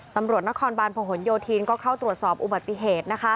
ตำรวจนครบาลพหนโยธินก็เข้าตรวจสอบอุบัติเหตุ